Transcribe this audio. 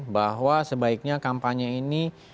bahwa sebaiknya kampanye ini